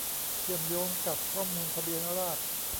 เชื่อมโยงกับข้อมูลทะเบียนราษฎร์